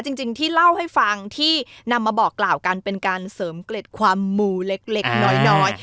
จริงที่เล่าให้ฟังที่นำมาบอกกล่าวกันเป็นการเสริมเกล็ดความมูเล็กน้อย